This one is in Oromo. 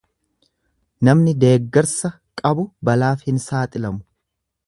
Namni deeggarsa qabu balaaf hin saaxilamu.